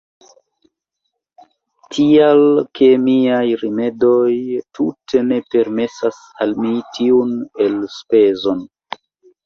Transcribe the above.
Tial ke miaj rimedoj tute ne permesas al mi tiun elspezon.